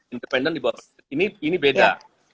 independen di bawah ini beda